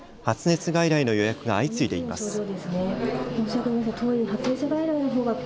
発熱外来の予約が相次いでいます。